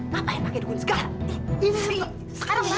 ngapain pakai dukun segala